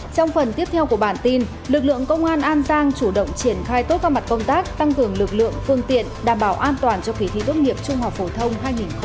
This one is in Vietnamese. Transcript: trong phần tiếp theo của bản tin lực lượng công an an giang chủ động triển khai tốt các mặt công tác tăng cường lực lượng phương tiện đảm bảo an toàn cho kỳ thi tốt nghiệp trung học phổ thông hai nghìn hai mươi